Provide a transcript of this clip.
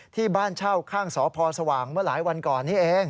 ที่บ้านเช่าข้างสพสว่างเมื่อหลายวันก่อนนี้เอง